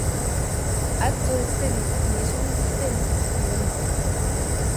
Atzo bezala, ihesaldi luzea egon da.